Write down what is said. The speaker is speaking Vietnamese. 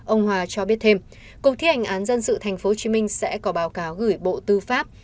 ông hòa cho biết thêm cục thi hành án dân sự tp hcm sẽ có báo cáo gửi bộ tư pháp